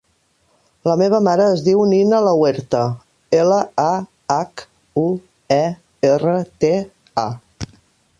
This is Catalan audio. La meva mare es diu Nina Lahuerta: ela, a, hac, u, e, erra, te, a.